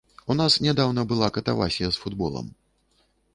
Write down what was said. У нас нядаўна была катавасія з футболам.